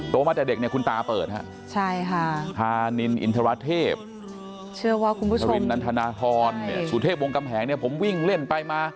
โตมาแต่เด็กเนี่ยคุณตาเปิดฮะฮานินอินทรเทพฮรินทรนทรนสุเทพวงกำแหงเนี่ยผมวิ่งเล่นไปมา